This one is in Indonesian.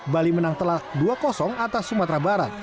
bali menang telak dua atas sumatera barat